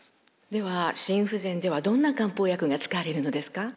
では心不全ではどんな漢方薬が使われるのですか？